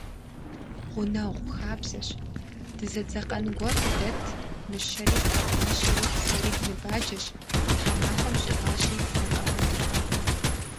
Гъунэгъу хабзэщ: дызэдзэкъэн гуэр къыдэт, мыщэри, кхъуэпӏащэри, сэри дыныбаджэщ, тхьэмахуэм щӏигъуащи, дзэкъэгъуэ тӏухуакъым.